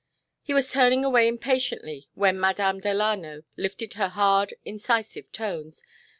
He was turning away impatiently when Madame Delano lifted her hard incisive tones.